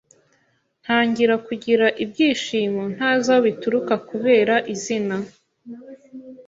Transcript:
ntangira kugira ibyishimo ntazi aho bituruka kubera izina